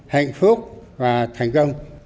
hạnh phúc và thành công